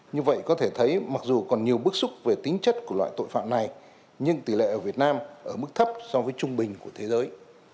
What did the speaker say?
như vậy có thể thấy mặc dù còn nhiều bức xúc về tính chất của loại tội phạm này nhưng tỷ lệ ở việt nam ở mức thấp so với trung bình của thế giới